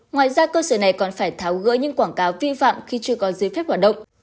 ngoài ra cơ sở này còn phải tháo gỡ những quảng cáo vi phạm khi chưa có giấy phép hoạt động